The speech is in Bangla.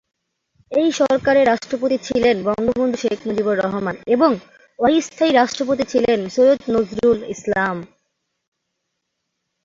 এই সরকারের রাষ্ট্রপতি ছিলেন বঙ্গবন্ধু শেখ মুজিবুর রহমান এবং অস্থায়ী রাষ্ট্রপতি ছিলেন সৈয়দ নজরুল ইসলাম।